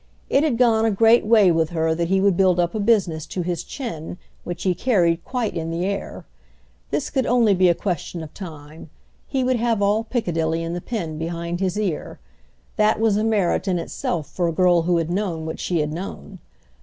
It had gone a great way with her that he would build up a business to his chin, which he carried quite in the air. This could only be a question of time; he would have all Piccadilly in the pen behind his ear. That was a merit in itself for a girl who had known what she had known.